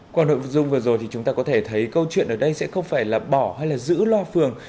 còn nội dung vừa rồi thì chúng ta có thể thấy câu chuyện ở đây sẽ không phải là bỏ hay là giữ loa phường